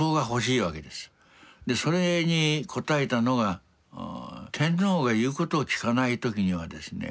それに応えたのが天皇が言うことを聞かない時にはですね